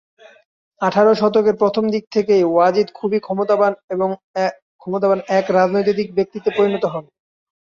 আঠারো শতকের প্রথম দিক থেকেই ওয়াজিদ খুবই ক্ষমতাবান এক রাজনৈতিক ব্যক্তিত্বে পরিণত হন।